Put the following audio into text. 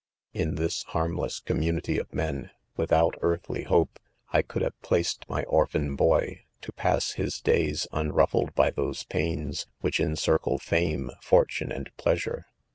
(24) ._ "*"In this harmless community of men, with out earthly hope, I could have placed my op» giiaii boy, to pass his clays unrufHed by those THE COWF ESSIONS* 173 pains which encircle fame, .fortune and plea? sure.